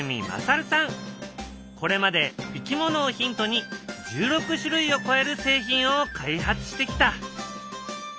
これまでいきものをヒントに１６種類を超える製品を開発してきた。